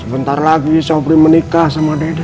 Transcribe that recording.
sebentar lagi shobri menikah sama dedek